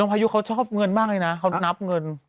พายุเขาชอบเงินมากเลยนะเขานับเงิน